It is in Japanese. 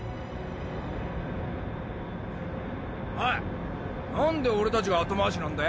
おいなんで俺たちが後回しなんだよ？